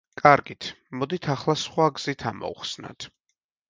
კარგით, მოდით ახლა სხვა გზით ამოვხსნათ.